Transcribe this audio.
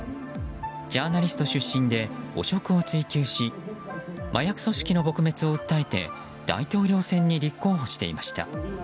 ジャーナリスト出身で汚職を追及し麻薬組織の撲滅を訴えて大統領選に立候補していました。